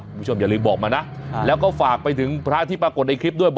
คุณผู้ชมอย่าลืมบอกมานะแล้วก็ฝากไปถึงพระที่ปรากฏในคลิปด้วย